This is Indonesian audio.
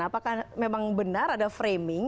apakah memang benar ada framing